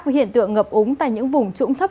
với hiện tượng ngập úng tại những vùng trũng thấp